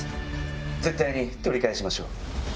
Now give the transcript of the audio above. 絶対に取り返しましょう。